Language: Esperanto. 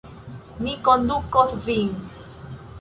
Mi kondukos vin.